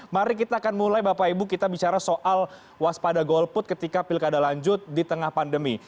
mari kita akan mulai bapak ibu kita bicara soal waspada golput ketika pilkada lanjut di tengah pandemi